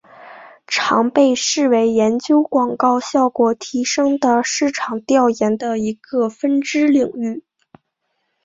常被视为研究广告效果提升的市场调研的一个分支领域。